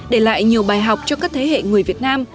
để lại nhiều bài học cho các thế hệ người việt nam